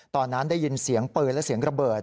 ตอนนั้นได้ยินเสียงปืนและเสียงระเบิด